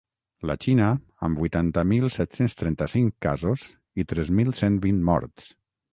La Xina, amb vuitanta mil set-cents trenta-cinc casos i tres mil cent vint morts.